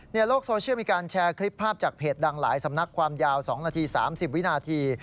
โลกโซเชียลมีการแชร์คลิปภาพจากเพจดังหลายสำนักความยาว๒นาที๓๐วินาที